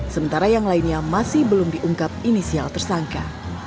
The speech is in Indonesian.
sementara yang lainnya masih belum diungkap inisial tersangka